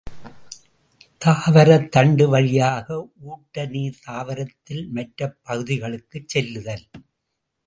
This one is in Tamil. தாவரத் தண்டு வழியாக ஊட்டநீர் தாவரத்தில் மற்றப் பகுதிகளுக்குச் செல்லுதல்.